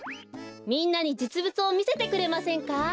みんなにじつぶつをみせてくれませんか？